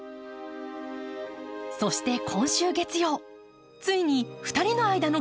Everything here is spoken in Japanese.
そして今週月曜ついに２人の間の